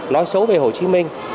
nói xấu về hồ chí minh